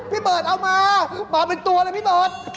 พี่เบิร์ตเอามามาเป็นตัวเลยพี่เบิร์ต